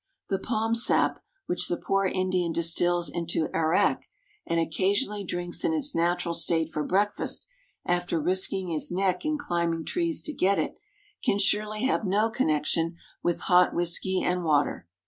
The palm sap which the poor Indian distils into arrack and occasionally drinks in its natural state for breakfast after risking his neck in climbing trees to get it, can surely have no connection with hot whisky and water?